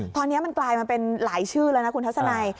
ตอนนี้มันกลายมาเป็นหลายชื่อแล้วนะคุณทัศนัย